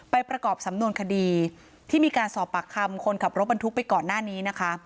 ประกอบสำนวนคดีที่มีการสอบปากคำคนขับรถบรรทุกไปก่อนหน้านี้นะคะ